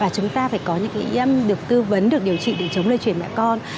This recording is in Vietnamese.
và chúng ta phải có những cái được tư vấn được điều trị được chống lây chuyển mẹ con